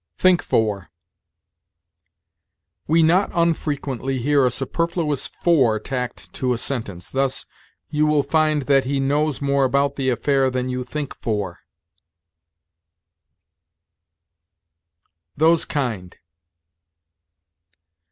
THINK FOR. We not unfrequently hear a superfluous for tacked to a sentence; thus, "You will find that he knows more about the affair than you think for." THOSE KIND.